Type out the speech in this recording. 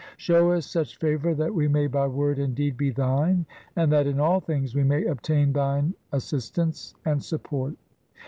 Show us such favour that we may by word and deed be Thine, and that in all things we may obtain Thine assistance and support.